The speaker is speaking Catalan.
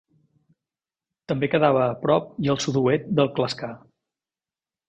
També quedava a prop i al sud-oest del Clascar.